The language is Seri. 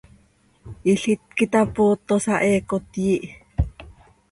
Ilít quih itapootosa, heecot yiih.